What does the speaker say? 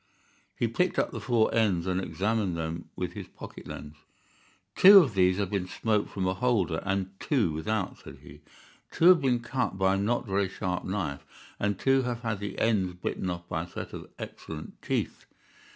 He picked up the four ends and examined them with his pocket lens. "Two of these have been smoked from a holder and two without," said he. "Two have been cut by a not very sharp knife, and two have had the ends bitten off by a set of excellent teeth.